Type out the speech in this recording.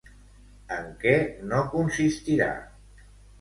En què no consistirà?